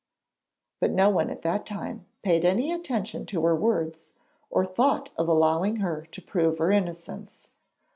But no one at that time paid any attention to her words, or thought of allowing her to prove her innocence.